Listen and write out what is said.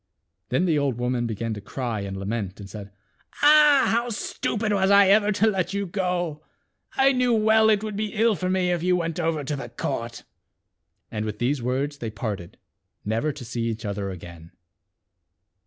Then the old woman began to cry and lament and said, " Ah ! how stupid was I ever to let you go. I knew well it would be ill for me if you went over to the court." And with these words they parted, never to see each other again.